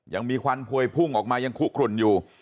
ควันพวยพุ่งออกมายังคุกขลุ่นอยู่